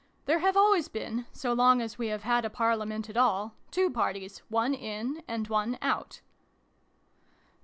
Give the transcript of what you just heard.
" There have always been, so long as we have had a Parliament at all, two Parties, one ' in ', and one 'out'."